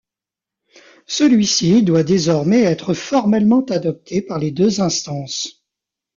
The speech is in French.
Celui-ci doit désormais être formellement adopté par les deux instances.